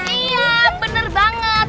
iya benar banget